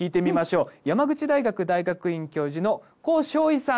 山口大学大学院教授の江鐘偉さん。